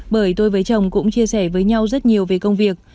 bởi tôi với chồng cũng chia sẻ với nhau rất nhiều về công việc